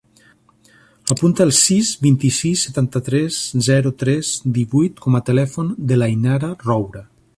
Apunta el sis, vint-i-sis, setanta-tres, zero, tres, divuit com a telèfon de l'Ainara Roura.